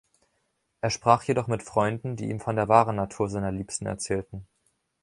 Er sprach jedoch mit Freunden, die ihm von der wahren Natur seiner Liebsten erzählten.